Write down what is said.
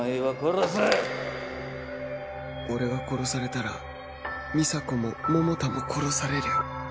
俺が殺されたら美沙子も百太も殺される